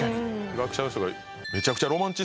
学者の人が。